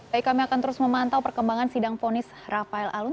baik kami akan terus memantau perkembangan sidang ponis rafael alun